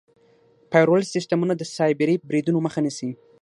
فایروال سیسټمونه د سایبري بریدونو مخه نیسي.